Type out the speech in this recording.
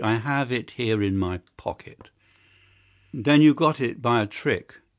I have it here in my pocket." "Then you got it by a trick.